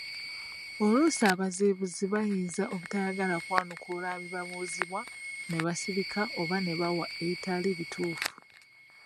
Oluusi abazibuzi bayinza obutayagala kwanukula bibabuuzibwa ne babisirikira oba ne bawa eitali bituufu.